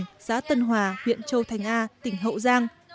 tỉnh hậu giang xã tân hòa huyện châu thành a tỉnh hậu giang